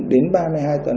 đến ba mươi hai tuần